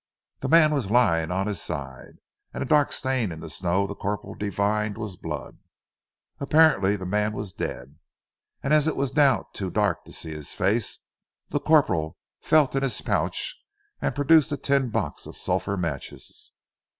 The man was lying on his side, and a dark stain in the snow the corporal divined was blood. Apparently the man was dead, and as it was now too dark to see his face, the corporal felt in his pouch and produced a tin box of sulphur matches.